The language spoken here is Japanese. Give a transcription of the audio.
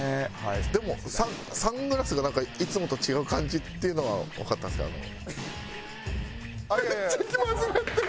でもサングラスがいつもと違う感じっていうのはわかったんですけどあの。